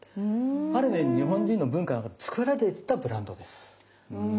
ある面日本人の文化が作られてたブランドです。